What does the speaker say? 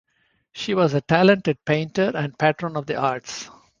She was a talented painter and patron of the arts.